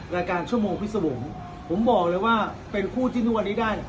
ชั่วโมงพิษวงศ์ผมบอกเลยว่าเป็นคู่จิ้นทุกวันนี้ได้